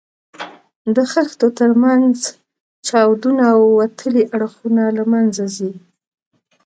د خښتو تر منځ چاودونه او وتلي اړخونه له منځه ځي.